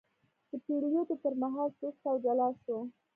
د پیلېدو پر مهال سست او جلا شو،